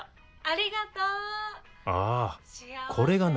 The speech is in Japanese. ありがとう。